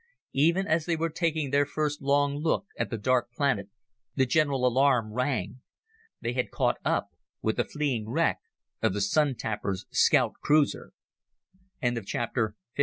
Even as they were taking their first long look at the dark planet, the general alarm rang. They had caught up with the fleeing wreck of the Sun tapper's scout cruiser. Chapter 16.